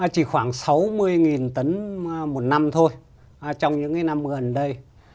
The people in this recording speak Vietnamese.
chỉ khoảng sáu mươi tấn một năm thôi trong những năm gần đây